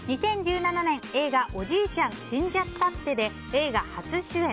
２０１７年映画「おじいちゃん、死んじゃったって。」で映画初主演。